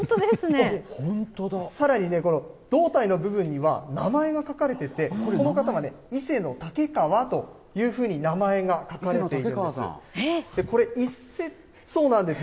さらに、胴体の部分には、名前が書かれていて、この方はね、伊勢竹河というふうに名前が書かれているんです。